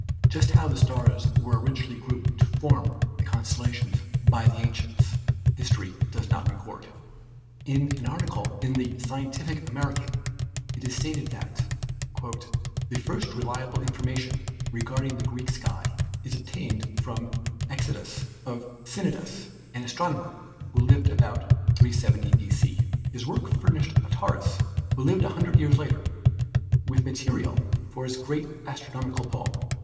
Just how the stars were originally grouped to form the constellations by the ancients history does not record. In an article in the Scientific American it is stated that "the first reliable information regarding the Greek sky is ob tained from Eudoxus of Cnidus, an astronomer who lived about 370 b.c. His work furnished Aratus, who lived a hundred years later, with material for his great astronomi cal poem.